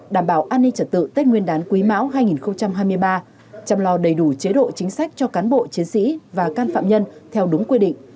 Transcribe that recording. đảm bảo an ninh trật tự tết nguyên đán quý mão hai nghìn hai mươi ba chăm lo đầy đủ chế độ chính sách cho cán bộ chiến sĩ và can phạm nhân theo đúng quy định